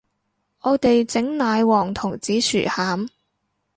我哋整奶黃同紫薯餡